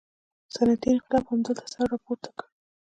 صنعتي انقلاب همدلته سر راپورته کړ.